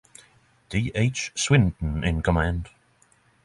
D. H. Swinson in command.